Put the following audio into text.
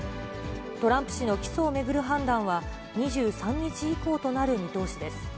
トランプ氏の起訴を巡る判断は、２３日以降となる見通しです。